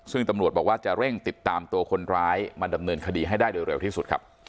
ซึ่งตำรวจบอกว่าจะเร่งติดตามตัวคนร้ายมาดำเนินคดีให้ได้โดยเร็วที่สุดครับ